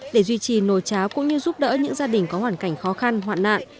để duy trì nồi cháo cũng như giúp đỡ những gia đình có hoàn cảnh khó khăn hoạn nạn